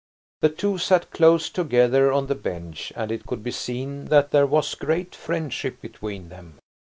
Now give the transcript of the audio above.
The two sat close together on the bench, and it could be seen that there was great friendship between them.